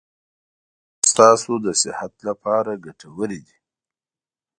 اوبه ستاسو د صحت لپاره ګټوري دي